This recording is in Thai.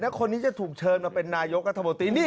แล้วคนนี้จะถูกเชิญมาเป็นนายกกฏมติ